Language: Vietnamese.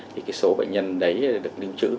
thì cái sổ bệnh nhân đấy được linh chữ